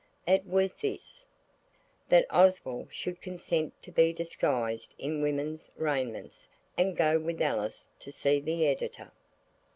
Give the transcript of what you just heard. It was this: That Oswald should consent to be disguised in women's raiments and go with Alice to see the Editor.